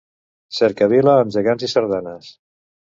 Cercavila amb gegants i sardanes.